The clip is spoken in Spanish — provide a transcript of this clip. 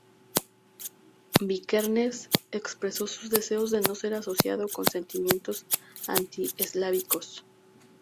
Vikernes expresó sus deseos de no ser asociado con sentimientos anti-eslávicos.